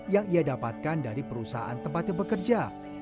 yang ia dapatkan dari perusahaan tempatnya bekerja